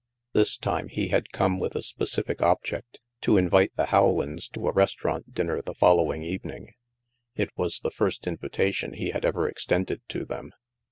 This time, he had come with a specific object — to invite the Howlands to a restaurant dinner the THE MAELSTROM 183 following evening. It was the first invitation he had ever extended to them.